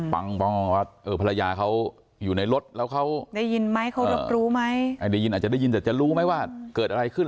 ว่าเออภรรยาเขาอยู่ในรถแล้วเขาได้ยินไหมเขารับรู้ไหมได้ยินอาจจะได้ยินแต่จะรู้ไหมว่าเกิดอะไรขึ้น